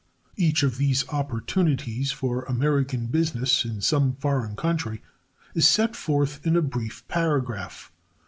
Each of these "opportunities" for American business in some foreign country is set forth in a brief paragraph.